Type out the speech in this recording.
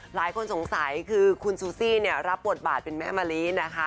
หลายคนสงสัยคือคุณซูซี่เนี่ยรับบทบาทเป็นแม่มะลินะคะ